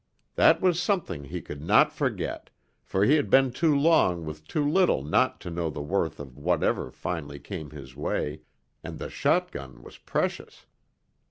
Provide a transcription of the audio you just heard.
That was something he could not forget, for he had been too long with too little not to know the worth of whatever finally came his way, and the shotgun was precious.